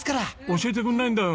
教えてくれないんだよ。